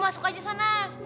masuk aja sana